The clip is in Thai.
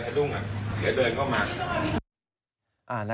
ใส่ดุ้งเหลือเดินเข้ามา